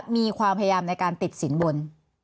มีความพยายามในการติดสินบน